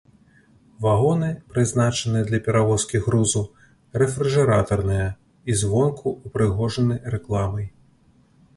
Вагоны, прызначаныя для перавозкі грузу, рэфрыжэратарныя і звонку ўпрыгожаны рэкламай.